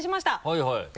はいはい。